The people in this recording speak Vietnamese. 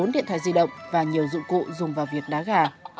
một mươi bốn điện thoại di động và nhiều dụng cụ dùng vào việc đá gà